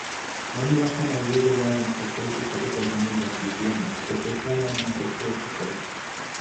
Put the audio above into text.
Mamlaka na uwezo wao ni tofauti katika jamii za Kiislamu kufuatana na mapokeo tofauti.